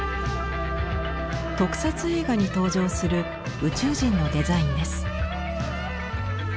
特撮映画に登場する宇宙人のデザインです。